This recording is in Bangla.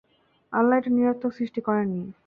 আল্লাহ এটা নিরর্থক সৃষ্টি করেননি।